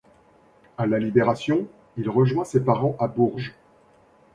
À la Libération, il rejoint ses parents à Bourges.